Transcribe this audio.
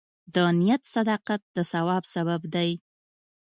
د نیت صداقت د ثواب سبب دی.